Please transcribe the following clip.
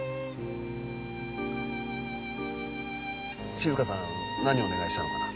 静香さん何をお願いしたのかな？